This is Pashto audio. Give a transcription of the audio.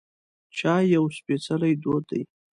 چای یو سپیڅلی دود دی.